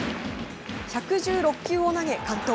１１６球を投げ完投。